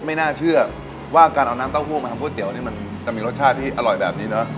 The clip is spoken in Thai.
ไม่น่าเชื่อว่าการเอาน้ำเต้าหู้มาทำก๋วเตี๋นี่มันจะมีรสชาติที่อร่อยแบบนี้เนอะ